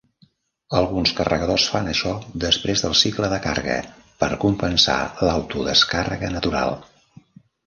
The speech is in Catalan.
Alguns carregadors fan això després del cicle de carga, per compensar l"auto-descàrrega natural.